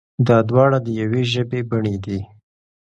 دا دواړه د يوې ژبې بڼې دي.